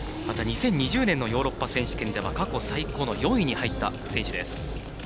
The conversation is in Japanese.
２０２０年のヨーロッパ選手権は過去最高の４位に入った選手です。